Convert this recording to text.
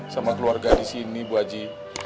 sama keluarga di sini bu haji